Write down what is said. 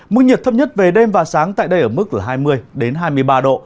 mức nhiệt thấp nhất về đêm và sáng tại đây ở mức hai mươi hai mươi ba độ